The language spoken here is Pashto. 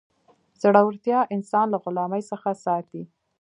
زړورتیا انسان له غلامۍ څخه ساتي.